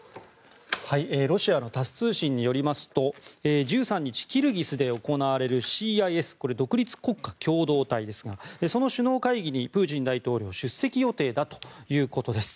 ロシアのタス通信によりますと１３日、キルギスで行われるＣＩＳ・独立国家共同体ですがその首脳会議にプーチン大統領出席予定だということです。